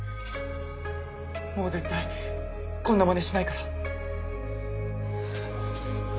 もう絶対こんなマネしないから！